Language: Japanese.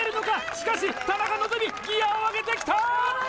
しかし田中希実ギアを上げてきた！